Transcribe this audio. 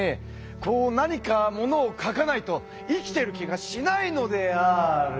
こう何か物を書かないと生きてる気がしないのである。